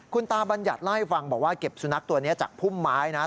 คุณตาบัญญัติเล่าให้ฟังบอกว่าเก็บสุนัขตัวนี้จากพุ่มไม้นะ